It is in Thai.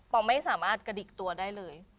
ไม่สามารถกระดิกตัวได้เลย